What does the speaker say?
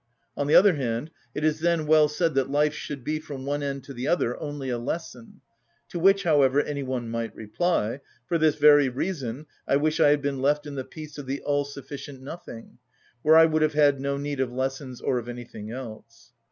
On the other hand, it is then well said that life should be, from one end to the other, only a lesson; to which, however, any one might reply: "For this very reason I wish I had been left in the peace of the all‐sufficient nothing, where I would have had no need of lessons or of anything else."